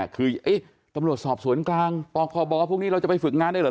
คือตำรวจสอบสวนกลางปคบพวกนี้เราจะไปฝึกงานได้เหรอ